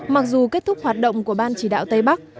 mặc dù kết thúc hoạt động của ban chỉ đạo tây bắc